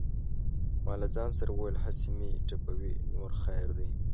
ما له ځانه سره وویل: هسې مې ټپوي نور خیر دی.